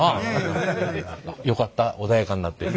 よかった穏やかになって。